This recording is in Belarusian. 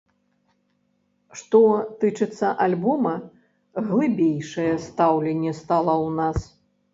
Што тычыцца альбома, глыбейшае стаўленне стала ў нас.